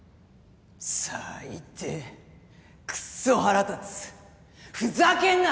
最低くそ腹立つふざけんな！